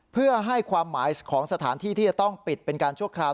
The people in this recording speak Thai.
เพื่อให้ความหมายของสถานที่ที่จะต้องปิดเป็นการชั่วคราว